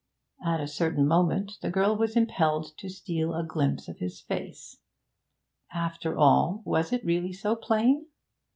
At a certain moment the girl was impelled to steal a glimpse of his face. After all, was it really so plain?